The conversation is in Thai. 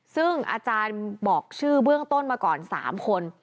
ซึ่งอาจารย์บอกชื่อเบื้องต้นมาก่อน๓คน